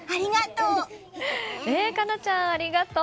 果乃ちゃん、ありがとう！